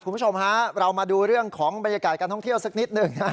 คุณผู้ชมฮะเรามาดูเรื่องของบรรยากาศการท่องเที่ยวสักนิดหนึ่ง